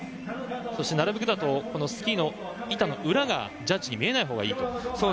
そして、スキーの板の裏がジャッジに見えないほうがいいと。